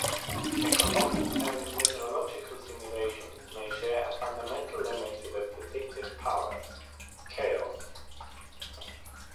Economic and meteorological simulations may share a fundamental limit to their predictive powers: chaos.